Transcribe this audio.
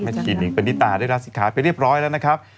แม่ชีหนิงผนิตาด้วยราศิกาไปเรียบร้อยแล้วนะครับ